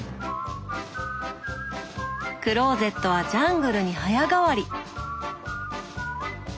クローゼットはジャングルに早変わり。